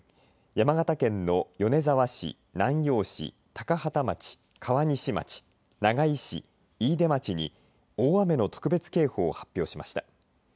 山形県の米沢市、南陽市高畠町、川西町長井市、飯豊町に大雨の特別警報を発表しました。